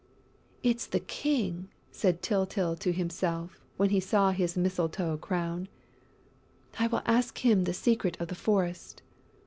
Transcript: "It's the King!" said Tyltyl to himself, when he saw his mistletoe crown. "I will ask him the secret of the forest."